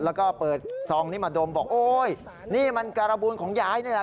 แล้วก็เปิดซองนี้มาดมบอกโอ๊ยนี่มันการบูลของยายนี่แหละ